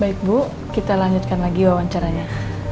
baik bu kita lanjutkan lagi wawancaranya